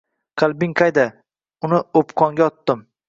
“Qalbing qayda?” – “Uni o’pqonga otdim”.